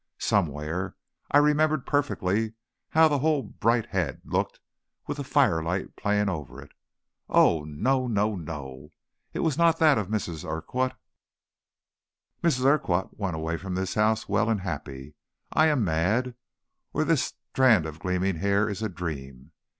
Somewhere. I remembered perfectly how the whole bright head looked with the firelight playing over it. Oh, no, no, no, it was not that of Mrs. Urquhart. Mrs. Urquhart went away from this house well and happy. I am mad, or this strand of gleaming hair is a dream.